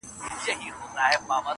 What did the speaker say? په لرغونو زمانو کي یو حاکم وو٫